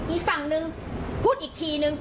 อีกฝั่งนึงพูดอีกทีนึง